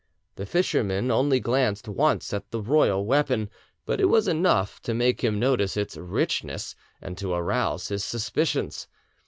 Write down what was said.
The fisherman only glanced once at the royal weapon, but it was enough to make him notice its richness and to arouse his suspicions.